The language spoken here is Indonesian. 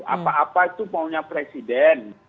apa apa itu maunya presiden